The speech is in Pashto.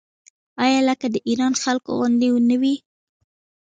آیا لکه د ایران خلکو غوندې نه وي؟